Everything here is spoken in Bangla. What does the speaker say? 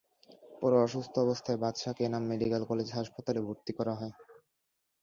পরে অসুস্থ অবস্থায় বাদশাকে এনাম মেডিকেল কলেজ হাসপাতালে ভর্তি করা হয়।